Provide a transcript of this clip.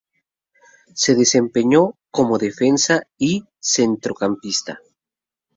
Se desempeñó como defensa y centrocampista.